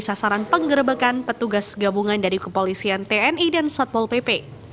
sasaran penggerebekan petugas gabungan dari kepolisian tni dan satpol pp